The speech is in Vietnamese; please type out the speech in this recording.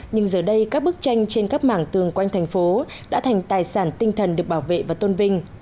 nhưng giờ đây các bức tranh trên các mảng tường quanh thành phố đã thành tài sản tinh thần được bảo vệ và tôn vinh